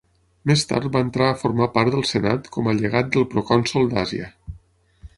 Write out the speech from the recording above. Més tard va entrar a formar part del Senat com a llegat del procònsol d'Àsia.